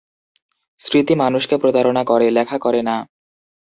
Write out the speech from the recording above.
স্মৃতি মানুষকে প্রতারণা করে, লেখা করে না।